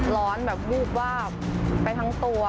ร้อนแบบวูบวาบไปทั้งตัว